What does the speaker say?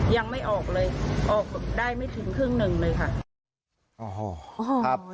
ยังไม่ออกเลยออกได้ไม่ถึงครึ่งหนึ่งเลยค่ะ